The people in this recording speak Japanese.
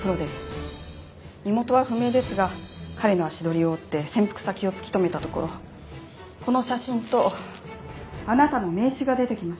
身元は不明ですが彼の足取りを追って潜伏先を突き止めたところこの写真とあなたの名刺が出てきました。